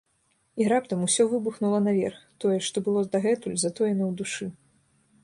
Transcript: І раптам усё выбухнула наверх, тое, што было дагэтуль затоена ў душы.